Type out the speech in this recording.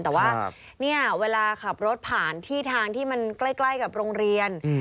แต่ว่าเนี่ยเวลาขับรถผ่านที่ทางที่มันใกล้กับโรงเรียน